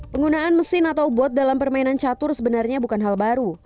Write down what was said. penggunaan mesin atau bot dalam permainan catur sebenarnya bukan hal baru